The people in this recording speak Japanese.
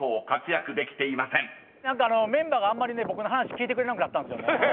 何かメンバーがあんまり僕の話聞いてくれなくなったんですよね。